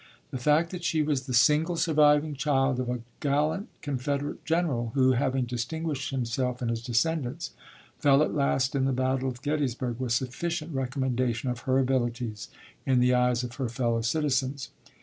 The fact that she was the single surviving child of a gallant Confederate general, who, having distinguished himself and his descendants, fell at last in the Battle of Gettysburg, was sufficient recommendation of her abilities in the eyes of her fellow citizens.